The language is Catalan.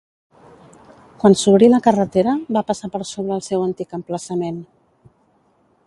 Quan s'obrí la carretera, va passar per sobre el seu antic emplaçament.